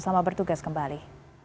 selamat bertugas kembali